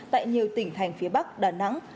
tại nhiều tỉnh thành phía bắc đà nẵng